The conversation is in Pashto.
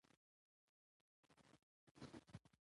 افغانستان د تاریخ په اړه مشهور تاریخی روایتونه لري.